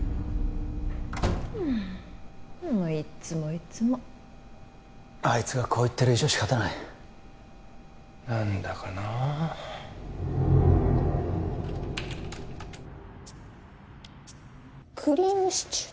もういっつもいっつもあいつがこう言ってる以上仕方ない何だかなクリームシチューです